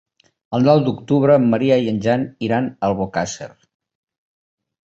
El nou d'octubre en Maria i en Jan iran a Albocàsser.